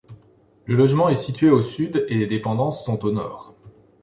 Le logement est situé au sud et les dépendances sont au nord.